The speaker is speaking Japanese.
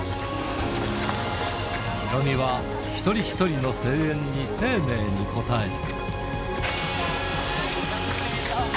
ヒロミは一人一人の声援に丁寧に応える。